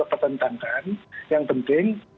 pertentangkan yang penting